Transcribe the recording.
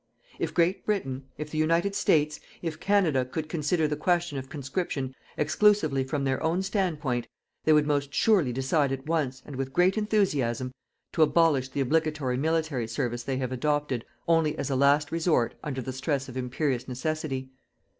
If Great Britain, if the United States, if Canada, could consider the question of conscription exclusively from their own stand point, they would most surely decide at once, and with great enthusiasm, to abolish the obligatory military service they have adopted only as a last resort under the stress of imperious necessity.